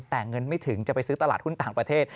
แต่เงินไม่ถึงจะไปซื้อตลาดหุ้นต่างประเทศ